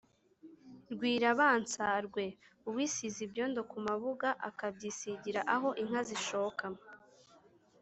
rwirabanzarwe: uwisize ibyondo ku mabuga akabyisigira aho inka zishoka